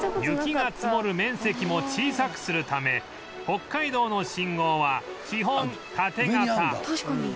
雪が積もる面積も小さくするため北海道の信号は基本縦型